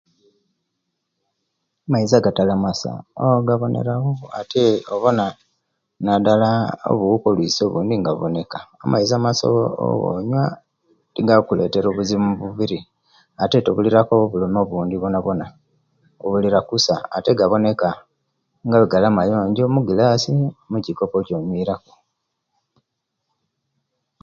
Amaizi agatali masa ogawonerawo ate owona nadala owuka oluisi obundi nga buboneka amaizi amasa owonywa tegakuletera obuzibu omumubiri ate tobuliraku bulumi obundi bonabona obulira kusa ate gaboneka nga owegali amayonjo omugilasi omukikopo okyo'nywiramu.